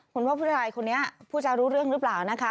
คุณว่าผู้ชายคนนี้ผู้จะรู้เรื่องหรือเปล่านะคะ